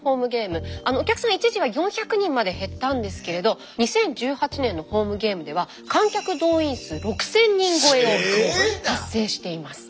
お客さん一時は４００人まで減ったんですけれど２０１８年のホームゲームでは観客動員数６，０００人超えを達成しています。